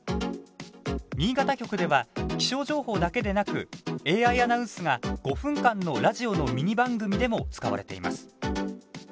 新潟局では、気象情報だけでなくＡＩアナウンスが５分間のラジオのミニ番組でも使われています。